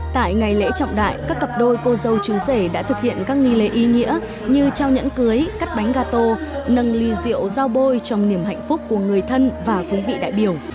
tại ngày lễ trọng đại các cặp đôi cô dâu chú rể đã thực hiện các nghi lễ ý nghĩa như trao nhẫn cưới cắt bánh gà tô nâng ly rượu giao bôi trong niềm hạnh phúc của người thân và quý vị đại biểu